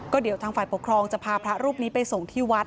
เดี๋ยวทางฝ่ายปกครองจะพาพระรูปนี้ไปส่งที่วัด